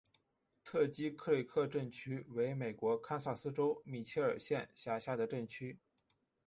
特基克里克镇区为美国堪萨斯州米切尔县辖下的镇区。